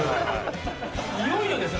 いよいよですね